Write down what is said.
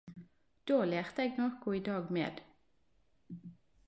Då lærte eg noko i dag med!